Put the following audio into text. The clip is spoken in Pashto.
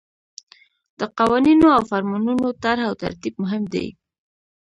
د قوانینو او فرمانونو طرح او ترتیب مهم دي.